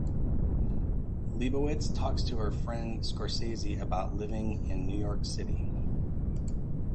Lebowitz talks to her friend Scorsese about living in New York City.